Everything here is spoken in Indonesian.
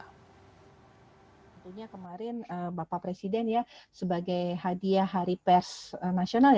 tentunya kemarin bapak presiden ya sebagai hadiah hari pers nasional